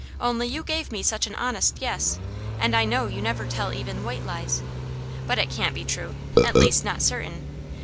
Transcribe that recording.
Only you gave me such an honest 'yes,' and I know you never tell even white lies. But it can't be true; at least, not certain.